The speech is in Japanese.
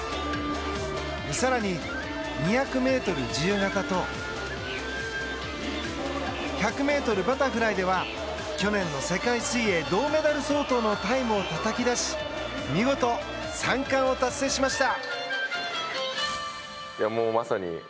更に、２００ｍ自由形と１００ｍバタフライでは去年の世界水泳銅メダル相当のタイムをたたき出し見事３冠を達成しました。